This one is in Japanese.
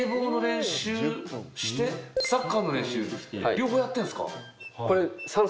両方やってんすか？